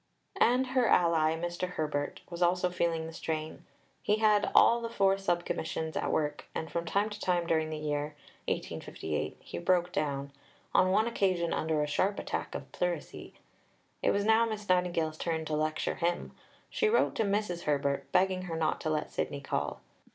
And her ally, Mr. Herbert, was also feeling the strain. He had all the four Sub Commissions at work, and from time to time during this year (1858) he broke down on one occasion under a sharp attack of pleurisy. It was now Miss Nightingale's turn to lecture him. She wrote to Mrs. Herbert, begging her not to let Sidney call.